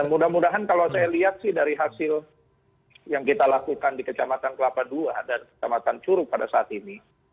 mudah mudahan kalau saya lihat sih dari hasil yang kita lakukan di kecamatan kelapa ii dan kecamatan curug pada saat ini